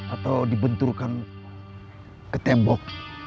atau dibenturkan ke tembok